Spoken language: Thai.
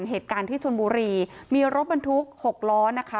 เหตุการณ์ที่ชนบุรีมีรถบรรทุกหกล้อนะคะ